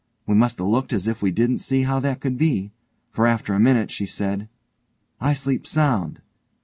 We must 'a looked as if we didn't see how that could be, for after a minute she said, 'I sleep sound'.